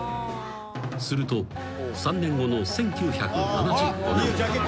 ［すると３年後の１９７５年］